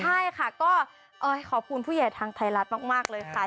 ใช่ค่ะก็ขอบคุณผู้ใหญ่ทางไทยรัฐมากเลยค่ะ